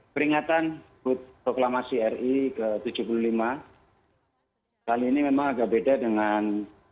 peringatan hut proklamasi ri ke tujuh puluh lima kali ini memang agak beda dengan dua ribu sembilan belas